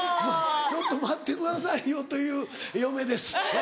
「ちょっと待ってくださいよ」という嫁です。